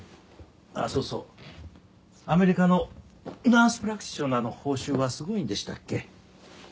あっそうそうアメリカのナース・プラクティショナーの報酬はすごいんでしたっけ？